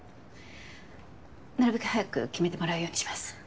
なるべく早く決めてもらうようにします。